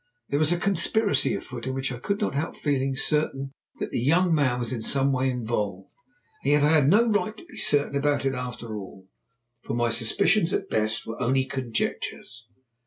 There was a conspiracy afoot in which, I could not help feeling certain, the young man was in some way involved. And yet I had no right to be certain about it after all, for my suspicions at best were only conjectures.